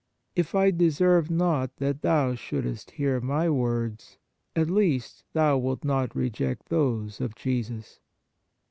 If I deserve not that Thou shouldest hear my words, at least Thou wilt not reject those of Jesus."